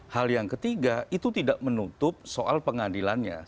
hal yang ketiga itu tidak menutup soal pengadilannya